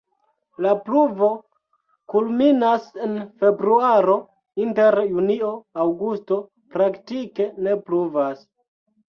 La pluvo kulminas en februaro, inter junio-aŭgusto praktike ne pluvas.